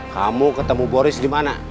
kamu ketemu boris dimana